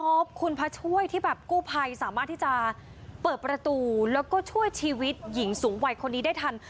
ขอบคุณพระช่วยที่แบบกู้ภัยสามารถที่จะเปิดประตูแล้วก็ช่วยชีวิตหญิงสูงวัยคนนี้ได้ทัน